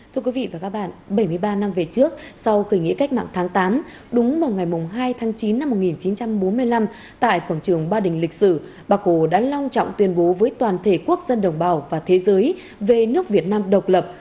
thưa quý vị và các bạn bảy mươi ba năm về trước sau khởi nghĩa cách mạng tháng tám đúng vào ngày hai tháng chín năm một nghìn chín trăm bốn mươi năm tại quảng trường ba đình lịch sử bác hồ đã long trọng tuyên bố với toàn thể quốc dân đồng bào và thế giới về nước việt nam độc lập